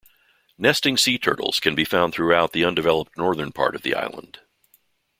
Nesting sea turtles can be found throughout the undeveloped northern part of the island.